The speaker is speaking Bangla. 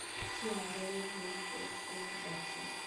সে আবারও ভুল করতে যাচ্ছে।